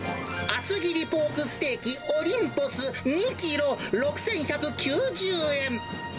厚切りポークステーキ、オリンポス２キロ６１９０円。